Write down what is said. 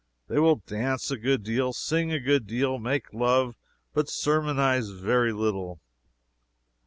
They will dance a good deal, sing a good deal, make love, but sermonize very little.